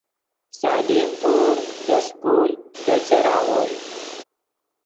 سلیم پور دے سکول دے چر آغوئے